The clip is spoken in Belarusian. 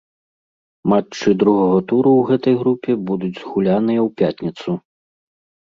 Матчы другога туру ў гэтай групе будуць згуляныя ў пятніцу.